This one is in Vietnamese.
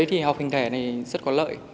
mình thấy học hình thể này rất có lợi